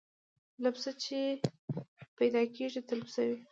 له پسه چي پیدا کیږي تل پسه وي